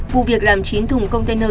vụ việc làm chín thùng container